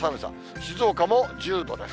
静岡も１０度です。